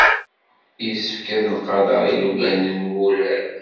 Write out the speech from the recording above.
Yessefk ad nqader ilugan n wurar.